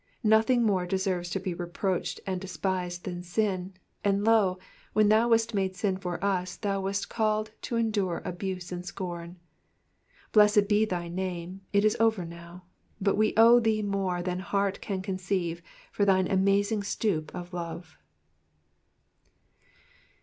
Nothing more deserves to be reproached and despised than sin, and lo, when thou wast made sin for us thou wast called to endure abuse and scorn. Blessed be thy name it is over now, but we owe thee more than heart can conceive for thine amazing stoop of love.